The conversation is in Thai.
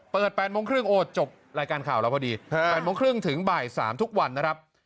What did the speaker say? เปิด๘๓๐โอ้จบรายการข่าวแล้วพอดี๘๓๐ถึงบ่าย๓ทุกวันนะครับ